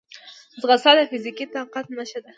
ځغاسته د فزیکي طاقت نښه ده